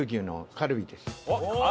カルビ！